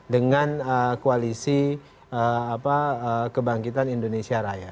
dengan koalisi kebangkitan indonesia raya